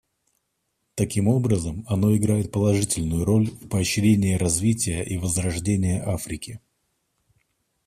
Таким образом, оно играет положительную роль в поощрении развития и возрождении Африки.